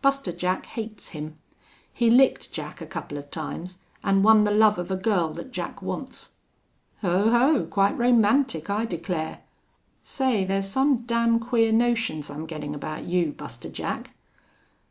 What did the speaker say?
Buster Jack hates him. He licked Jack a couple of times an' won the love of a girl that Jack wants." "Ho! Ho! Quite romantic, I declare.... Say, thar's some damn queer notions I'm gettin' about you, Buster Jack."